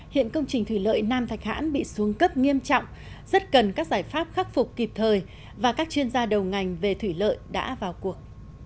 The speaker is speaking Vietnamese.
hiện công trình thủy lợi nam thạch hãn bị xuống cấp nghiêm trọng rất cần các giải pháp khắc phục kịp thời và các chuyên gia đầu ngành về thủy lợi đã vào cuộc